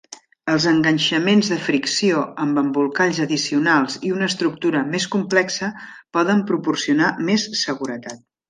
Els enganxaments de fricció amb embolcalls addicionals i una estructura més complexa poden proporcionar més seguretat.